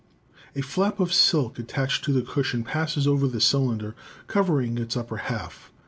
A flap of silk attached to the cushion passes over the cylinder, covering its upper half.